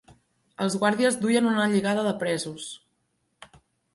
Els guàrdies duien una lligada de presos.